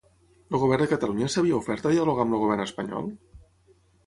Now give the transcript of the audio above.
El govern de Catalunya s'havia ofert a dialogar amb el govern espanyol?